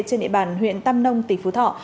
trên địa bàn huyện tam nông tỉnh phú thọ